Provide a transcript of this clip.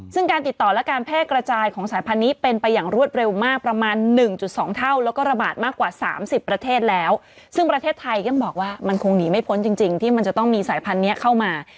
สองเท่าแล้วก็ระบาดมากกว่าสามสิบประเทศแล้วซึ่งประเทศไทยก็ยังบอกว่ามันคงหนีไม่พ้นจริงจริงที่มันจะต้องมีสายพันธุ์เนี้ยเข้ามา